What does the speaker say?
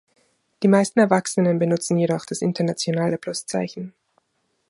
Die meisten Erwachsenen benutzen jedoch das internationale Pluszeichen.